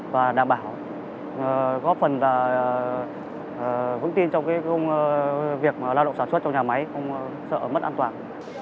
và đảm bảo góp phần và vững tin trong công việc lao động sản xuất trong nhà máy không sợ mất an toàn